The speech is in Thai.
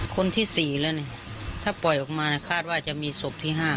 คนที่๔แล้วเนี่ยถ้าปล่อยออกมาคาดว่าจะมีศพที่๕